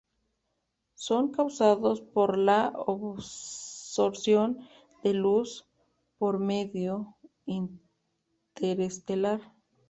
Son causados por la absorción de la luz por el medio interestelar.